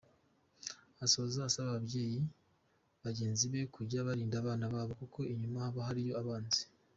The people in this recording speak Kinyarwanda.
Asoza asaba ababyeyi bagenzi be kujya barinda abana babo kuko inyuma haba hariyo abanzi.